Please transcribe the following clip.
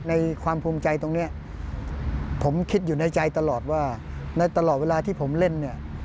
ในความภูมิใจตรงนี้ผมคิดอยู่ในใจตลอดว่าในตลอดเวลาที่ผมเล่นเนี่ย